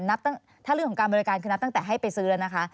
ถ้าเรื่องของการบริการคือนับตั้งแต่ให้ไปซื้อแล้วนะคะ